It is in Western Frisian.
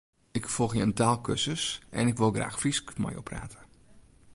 Ik folgje in taalkursus en ik wol graach Frysk mei jo prate.